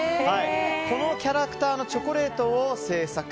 このキャラクターのチョコレートを製作。